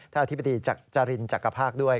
อธิบดีจักรินจักรภาคด้วย